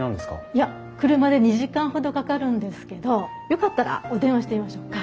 いや車で２時間ほどかかるんですけどよかったらお電話してみましょうか？